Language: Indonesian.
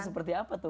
seperti apa tuh